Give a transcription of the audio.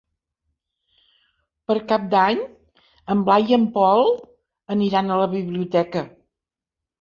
Per Cap d'Any en Blai i en Pol aniran a la biblioteca.